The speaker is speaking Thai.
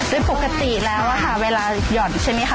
โดยปกติแล้วค่ะเวลาหย่อนใช่ไหมคะ